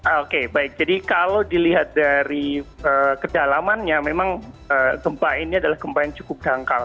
oke baik jadi kalau dilihat dari kedalamannya memang gempa ini adalah gempa yang cukup dangkal